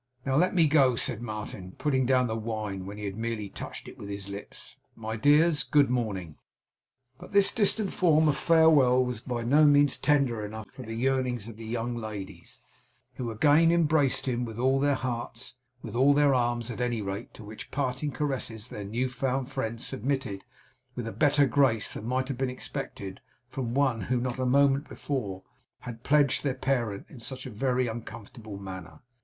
'Now let me go,' said Martin, putting down the wine when he had merely touched it with his lips. 'My dears, good morning!' But this distant form of farewell was by no means tender enough for the yearnings of the young ladies, who again embraced him with all their hearts with all their arms at any rate to which parting caresses their new found friend submitted with a better grace than might have been expected from one who, not a moment before, had pledged their parent in such a very uncomfortable manner.